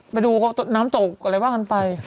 ไปดูน้ำตกอะไรว่ากันไป